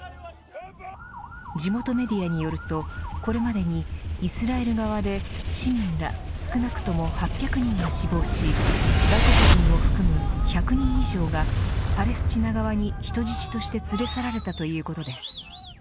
地元メディアによるとこれまでにイスラエル側で市民ら少なくとも８００人が死亡し外国人を含む１００人以上がパレスチナ側に人質として連れ去られたということです。